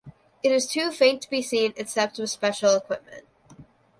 It is too faint to be seen except with special equipment.